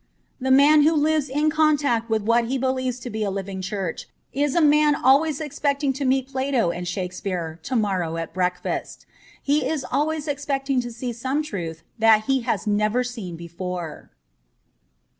The man who lives in contact with what he believes to be a living Church is a man always expecting to meet Plato and Shakespeare to morrow at break fast. He is always expecting to see some truth that he has never seen before.